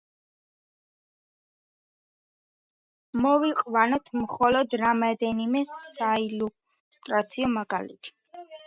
მოვიყვანოთ მხოლოდ რამდენიმე საილუსტრაციო მაგალითი.